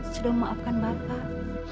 sudah memaafkan bapak